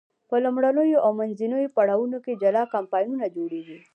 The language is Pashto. په لومړنیو او منځنیو پړاوونو کې جلا کمپاینونه جوړیږي.